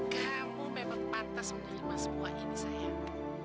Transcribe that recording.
kamu memang pantas menerima semua ini sayang